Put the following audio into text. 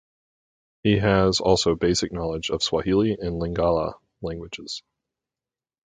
He has also basic knowledge of swahili and lingala languages.